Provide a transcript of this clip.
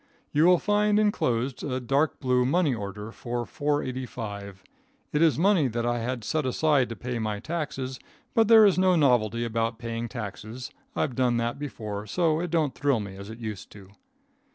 You will find inclosed a dark blue money order for four eighty five. It is money that I had set aside to pay my taxes, but there is no novelty about paying taxes. I've done that before, so it don't thrill me as it used to.